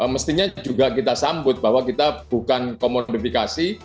maka kita juga sambut bahwa kita bukan komodifikasi